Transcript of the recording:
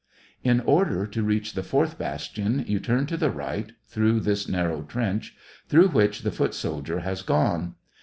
In order to reach the fourth bastion, you turn to the right, through this narrow trench, through which the foot soldier has gone.